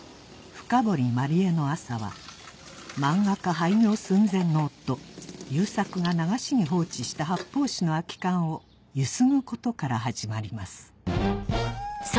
深堀万里江の朝は漫画家廃業寸前の夫悠作が流しに放置した発泡酒の空き缶をゆすぐことから始まります